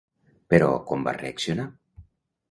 Però com va reaccionar?